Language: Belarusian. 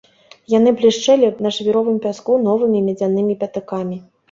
Яны блішчэлі на жвіровым пяску новымі медзянымі пятакамі.